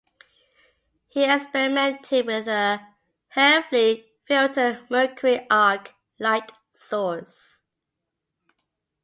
He experimented with a heavily filtered mercury arc light source.